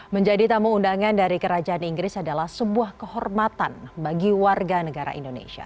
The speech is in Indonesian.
menjadi tamu undangan dari kerajaan inggris adalah sebuah kehormatan bagi warga negara indonesia